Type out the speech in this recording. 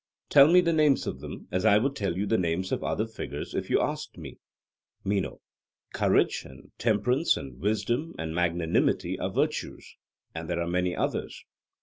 tell me the names of them, as I would tell you the names of the other figures if you asked me. MENO: Courage and temperance and wisdom and magnanimity are virtues; and there are many others.